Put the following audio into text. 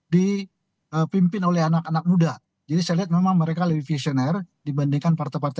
dipimpin oleh anak anak muda jadi saya lihat memang mereka lebih visioner dibandingkan partai partai